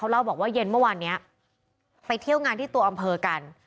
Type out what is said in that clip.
เล่าบอกว่าเย็นเมื่อวานนี้ไปเที่ยวงานที่ตัวอำเภอกัน